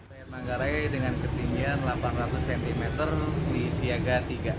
air manggarai dengan ketinggian delapan ratus cm di siaga tiga